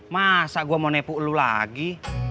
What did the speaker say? masa gue mau nepuk lu lagi